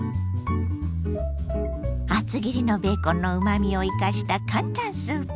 厚切りのベーコンのうまみを生かした簡単スープ。